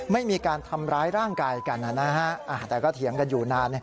ไม่มีการทำร้ายร่างกายกันแต่ก็เถียงกันอยู่นาน